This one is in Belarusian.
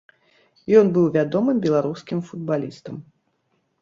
Ён быў вядомым беларускім футбалістам.